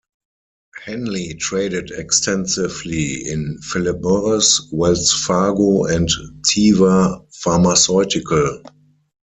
Henley traded extensively in Phillip Morris, Wells Fargo and Teva Pharmaceutical.